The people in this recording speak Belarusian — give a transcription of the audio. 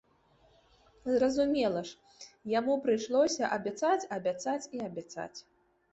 Зразумела ж, яму прыйшлося абяцаць, абяцаць і абяцаць.